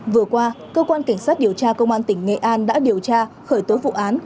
vừa qua cơ quan cảnh sát điều tra công an tỉnh nghệ an đã điều tra khởi tố vụ án